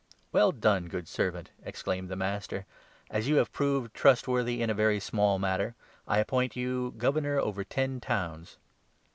' Well done, good servant !' exclaimed the master. 'As you 17 have proved trustworthy in a very small matter, I appoint you governor over ten towns.'